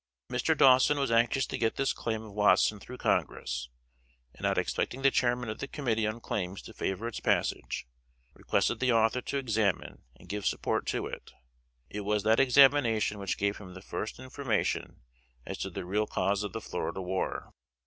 Mr. Dawson was anxious to get this claim of Watson through Congress, and, not expecting the Chairman of the committee on Claims to favor its passage, requested the Author to examine and give support to it. It was that examination which gave him the first information as to the real cause of the Florida War.